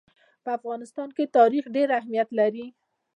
په افغانستان کې تاریخ ډېر اهمیت لري.